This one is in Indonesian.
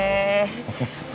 masa itu aku mau tidur aja